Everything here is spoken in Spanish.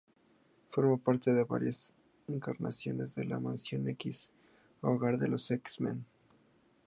Forma parte de varias encarnaciones de la Mansión X, hogar de los X-Men.